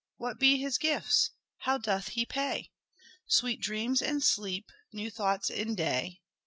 What be his gifts ? How doth he pay ? Sweet dreams in sleep, new thoughts in day.